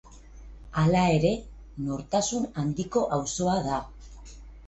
Hala ere, nortasun handiko auzoa da.